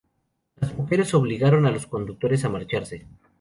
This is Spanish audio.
Las mujeres obligaron a los conductores a marcharse.